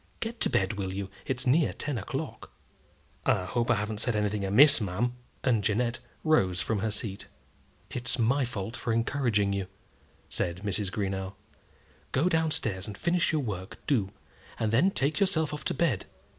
Get to bed, will you? It's near ten o'clock." "I hope I haven't said anything amiss, ma'am;" and Jeannette rose from her seat. "It's my fault for encouraging you," said Mrs. Greenow. "Go down stairs and finish your work, do; and then take yourself off to bed.